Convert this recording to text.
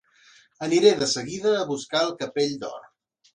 Aniré de seguida a buscar el Capell d'Or.